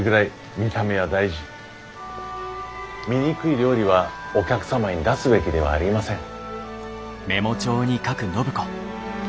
醜い料理はお客様に出すべきではありません。